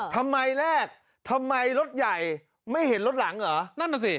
ทำไมแรกทำไมรถใหญ่ไม่เห็นรถหลังเหรอ